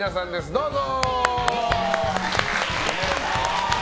どうぞ！